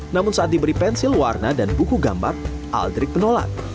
namun saat diberi pensil warna dan buku gambar aldrik menolak